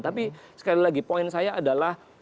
tapi sekali lagi poin saya adalah